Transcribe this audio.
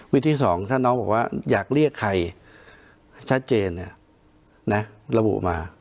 ที่สองถ้าน้องบอกว่าอยากเรียกใครชัดเจนระบุมา